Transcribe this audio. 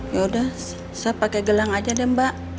yaudah saya pakai gelang aja deh mbak